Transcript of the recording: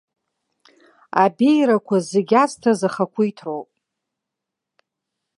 Абеиарақәа зегь азҭаз ахақәиҭроуп.